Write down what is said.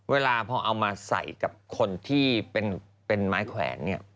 เวลาพอเอามาใส่กับคนที่เป็นไม้แขวนเนี่ย